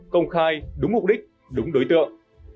công khai đúng mục đích đúng đối tượng